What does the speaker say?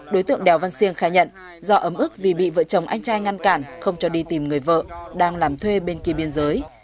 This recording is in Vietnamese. đối tượng đèo văn siêng khai nhận do ấm ức vì bị vợ chồng anh trai ngăn cản không cho đi tìm người vợ đang làm thuê bên kia biên giới